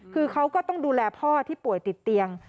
คือเขาก็ต้องดูแลพ่อที่ป่วยติดเตียง